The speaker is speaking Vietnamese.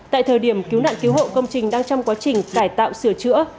tại thời điểm cứu nạn cứu hộ công trình đang trong quá trình cải tạo sửa chữa